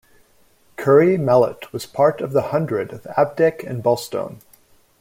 Curry Mallet was part of the hundred of Abdick and Bulstone.